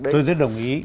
tôi rất đồng ý